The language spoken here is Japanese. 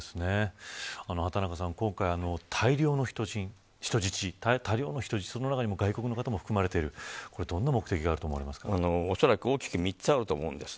畑中さん、今回大量の人質その中には外国の方も含まれていて、どんな目的が大きく３つあると思います。